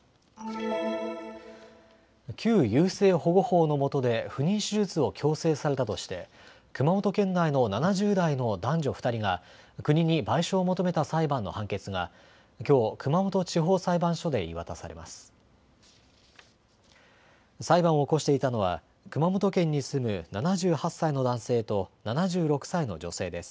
旧優生保護法のもとで不妊手術を強制されたとして熊本県内の７０代の男女２人が国に賠償を求めた裁判の判決がきょう、熊本地方裁判所で言い渡されます。